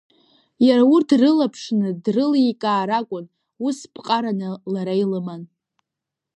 Иара урҭ дрылаԥшны дрыликаар акәын, ус ԥҟараны лара илыман.